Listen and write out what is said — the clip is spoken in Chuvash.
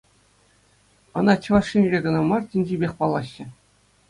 Ӑна Чӑваш Енре кӑна мар, тӗнчипех паллаҫҫӗ.